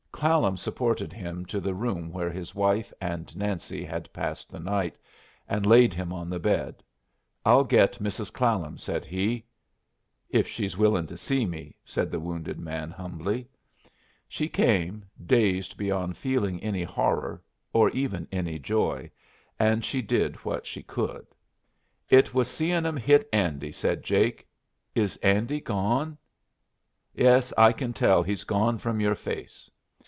Clallam supported him to the room where his wife and Nancy had passed the night, and laid him on the bed. "I'll get Mrs. Clallam," said he. "If she'll be willin' to see me," said the wounded man, humbly. She came, dazed beyond feeling any horror, or even any joy, and she did what she could. "It was seein' 'em hit Andy," said Jake. "Is Andy gone? Yes, I kin tell he's gone from your face."